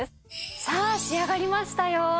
さあ仕上がりましたよ！